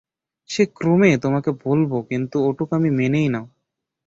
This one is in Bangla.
সে ক্রমে তোমাকে বলব, কিন্তু ওটুকু তুমি মেনেই নাও।